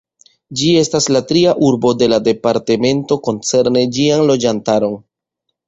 Ĝi estas la tria urbo de la departemento koncerne ĝian loĝantaron.